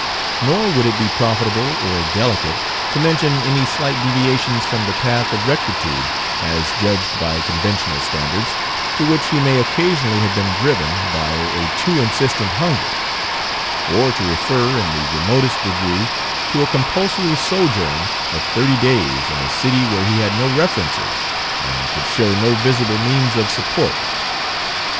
Nor would it be profitable or delicate to mention any slight deviations from the path of rectitude, as judged by conventional standards, to which he may occasionally have been driven by a too insistent hunger; or to refer in the remotest degree to a compulsory sojourn of thirty days in a city where he had no references, and could show no visible means of support.